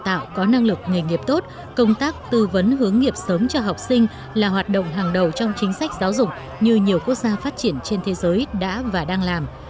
tạo có năng lực nghề nghiệp tốt công tác tư vấn hướng nghiệp sớm cho học sinh là hoạt động hàng đầu trong chính sách giáo dục như nhiều quốc gia phát triển trên thế giới đã và đang làm